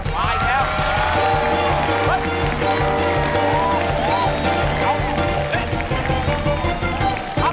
มาอีกแล้ว